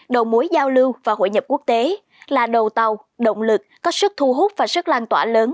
đầu mối giao lưu và hội nhập quốc tế là đầu tàu động lực có sức thu hút và sức lan tỏa lớn